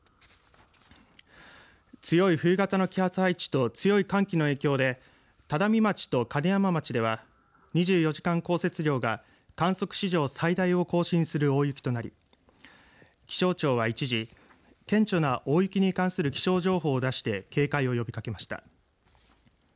強い冬型の気圧配置と強い寒気の影響で只見町と金山町では２４時間降雪量が観測史上最大を更新する大雪となり気象庁は一時顕著な大雪に関する気象情報を出して警戒を呼びかけました。